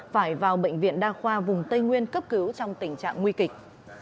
phải vào bệnh viện đa khoa vùng tây nguyên cấp cứu trong tình trạng nguy kịch